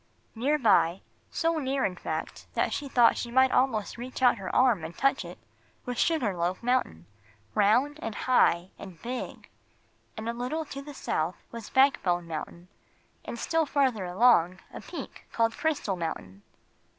Near by so near, in fact, that she thought she might almost reach out her arm and touch it was Sugar Loaf Mountain, round and high and big. And a little to the south was Backbone Mountain, and still farther along a peak called Crystal Mountain.